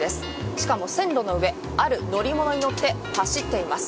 しかも線路の上、ある乗り物に乗って走っています。